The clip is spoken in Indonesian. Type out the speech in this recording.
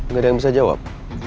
nggak ada yang bisa jawab